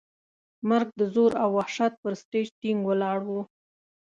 مرګ د زور او وحشت پر سټېج ټینګ ولاړ و.